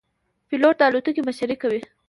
پیلوټ د الوتکې مشري کوي.